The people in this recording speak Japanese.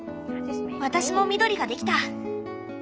私も緑ができた！